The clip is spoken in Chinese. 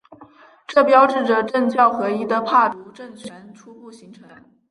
这标志着政教合一的帕竹政权初步形成。